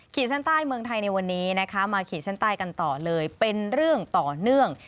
เส้นใต้เมืองไทยในวันนี้นะคะมาขีดเส้นใต้กันต่อเลยเป็นเรื่องต่อเนื่อง